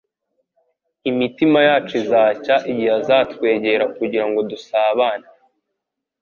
Imitima yacu izacya igihe azatwegera kugira ngo dusabane,